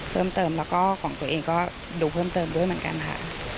เพิ่มเติมแล้วก็ของตัวเองก็ดูเพิ่มเติมด้วยเหมือนกันค่ะ